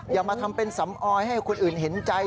อย่ามาทำเป็นสำออยให้คนอื่นเห็นใจ